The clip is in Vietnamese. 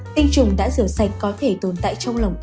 tình trùng đã sửa sạch có thể tồn tại trong lòng